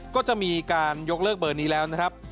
ก็จะมีการยกเลิกเบอร์นี้แล้วนะครับ